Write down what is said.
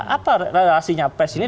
apa relasinya pes ini